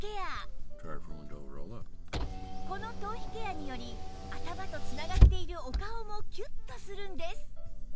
この頭皮ケアにより頭と繋がっているお顔もキュッとするんです